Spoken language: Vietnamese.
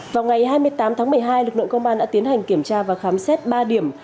vào ngày hai mươi tám tháng một mươi hai lực lượng công an đã tiến hành kiểm tra và khám xét ba điểm